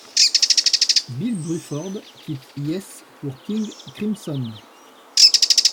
Bill Bruford quitte Yes pour King Crimson.